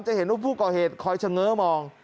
จะเห็นว่าผู้ก่อเหตุคอยเฉง้อมอง